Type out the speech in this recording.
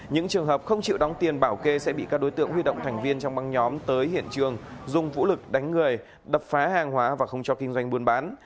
những trường hợp không chịu đóng tiền bảo kê sẽ bị các đối tượng huy động thành viên trong băng nhóm tới hiện trường dùng vũ lực đánh người đập phá hàng hóa và không cho kinh doanh buôn bán